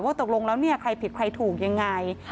ว่าตกลงแล้วใครผิดใครถูกยังไง